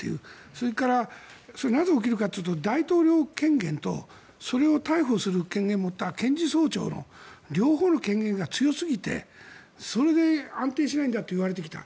それからなぜ起きるかというと大統領権限とそれを逮捕する権限を持った検事総長の両方の権限が強すぎてそれで安定しないんだといわれてきた。